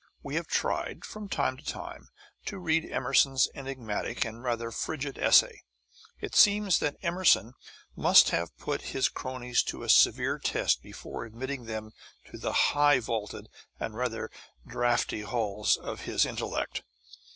We have tried, from time to time, to read Emerson's enigmatic and rather frigid essay. It seems that Emerson must have put his cronies to a severe test before admitting them to the high vaulted and rather draughty halls of his intellect.